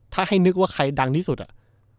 ถ้าให้นึกว่าใครดังที่สุดอ่ะ